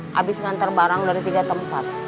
habis ngantar barang dari tiga tempat